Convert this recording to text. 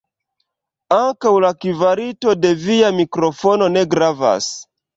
Ankaŭ la kvalito de via mikrofono ne gravas.